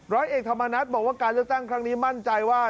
ร้อยเอกธรรมนัฏบอกว่าการเลือกตั้งครั้งนี้มั่นใจว่า